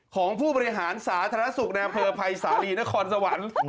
ของผู้บริหารสาธารณสุขในอำเภอภัยสาลีนครสวรรค์